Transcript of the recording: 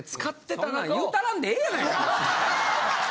そんなん言うたらんでええやないか。